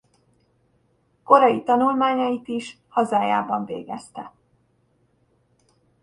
Korai tanulmányait is hazájában végezte.